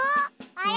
あれ？